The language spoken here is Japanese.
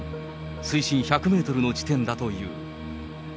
水深１００メートルの地点だという。